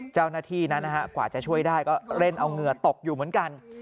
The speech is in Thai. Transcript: เจ้าหน้าที่นั้นนะฮะกว่าจะช่วยได้ก็เร่งเอาเหงื่อตกอยู่เหมือนกัน